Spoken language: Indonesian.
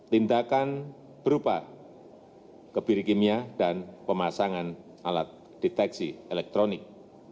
tindakan berupa kebiri kimia dan pemasangan alat deteksi elektronik